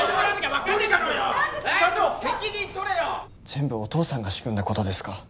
全部お父さんが仕組んだ事ですか？